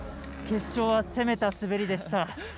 決勝は攻めた滑りでした。